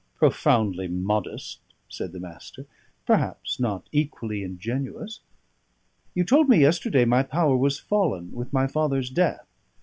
"Profoundly modest," said the Master; "perhaps not equally ingenuous. You told me yesterday my power was fallen with my father's death.